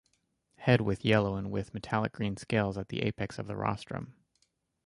Head with yellow and with metallic green scales at the apex of the rostrum.